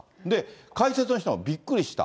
解説の人もびっくりした。